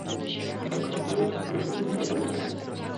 আর কয়েক ঘণ্টা পরেই আমি হবো ইংল্যান্ডের পরবর্তী রাজা।